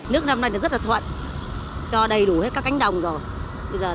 nước năm nay rất là thuận cho đầy đủ hết các cánh đồng rồi